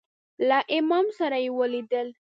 له امام سره یې ولیدل.